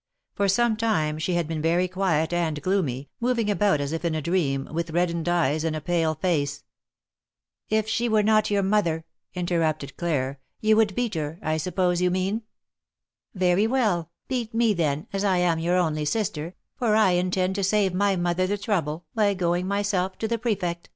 For some time she had been very quiet and gloomy, moving about as if in a dream, with reddened eyes and a pale face. ^^If she were not your mother," interrupted Claire, ''you would beat her, I suppose you mean. Very well, beat me then, as I am only your sister, for I intend to save my mother the trouble, by going myself to the Prefect."